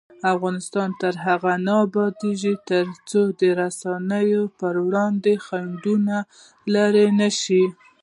افغانستان تر هغو نه ابادیږي، ترڅو د رسنیو پر وړاندې خنډونه لیرې نشي.